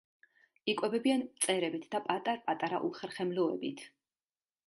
იკვებებიან მწერებით და პატარ-პატარა უხერხემლოებით.